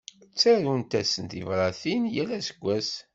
Ttarunt-asen tibratin yal aseggas.